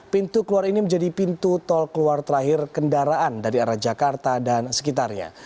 pintu keluar ini menjadi pintu tol keluar terakhir kendaraan dari arah jakarta dan sekitarnya